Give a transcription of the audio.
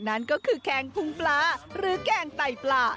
นั่นก็คือแกงพุงปลาหรือแกงไต่ปลา